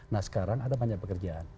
nah sekarang ada banyak pekerjaan